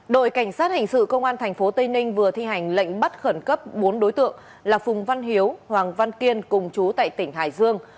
đội cảnh sát hình sự công an tp tây ninh vừa thi hành lệnh bắt khẩn cấp bốn đối tượng là phùng văn hiếu hoàng văn kiên cùng chú tại tỉnh hải dương